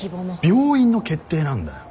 病院の決定なんだよ！